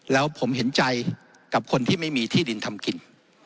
แล้วผมเห็นใจกับคนที่ไม่มีที่ดินทำกิน